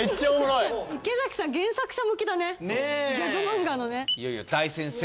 いよいよ大先生。